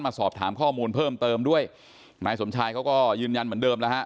สอบถามข้อมูลเพิ่มเติมด้วยนายสมชายเขาก็ยืนยันเหมือนเดิมแล้วฮะ